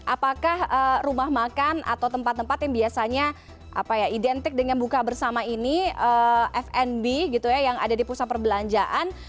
apakah rumah makan atau tempat tempat yang biasanya identik dengan buka bersama ini fnb gitu ya yang ada di pusat perbelanjaan